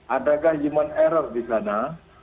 adakah human error di sana